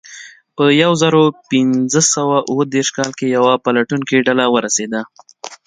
په یو زرو پینځه سوه اوه دېرش کال کې یوه پلټونکې ډله ورسېده.